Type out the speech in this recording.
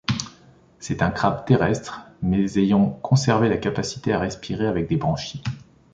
C'est un crabe terrestre mais ayant conservé la capacité à respirer avec des branchies.